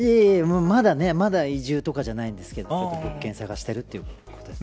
まだ移住とかじゃないんですけど物件を探してるということです。